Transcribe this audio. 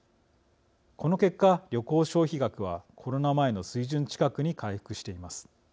この結果、旅行消費額はコロナ前の水準近くに回復しています。